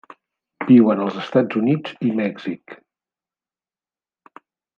Viuen als Estats Units i Mèxic.